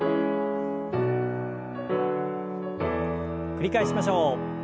繰り返しましょう。